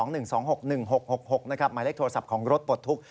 หมายเลขโทรศัพท์ของรถปลดทุกข